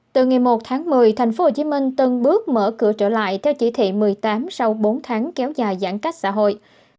từ ngày một tháng một mươi tp hcm tân bước mở cửa trở lại theo chỉ thị một mươi tám sau bốn tháng kéo dài giãn cách xã hội